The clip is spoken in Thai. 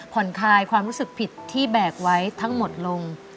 ผ่อนคลายความรู้สึกผิดที่แบกไว้ทั้งหมดลง